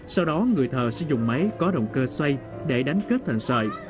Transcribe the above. sau đó người thợ sẽ dùng máy có động cơ xoay để đánh kết thành sợi